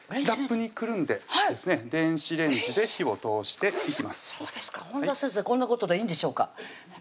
ラップに包んでですね電子レンジで火を通していきますそうですか本多先生こんなことでいいんでしょうか？